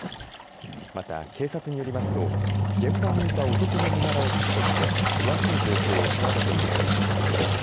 また、警察によりますと現場にいた男の身柄を確保して詳しい状況を調べているということです。